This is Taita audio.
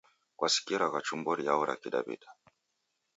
Kwasikiriagha chumbo riao ra Kidawi'da?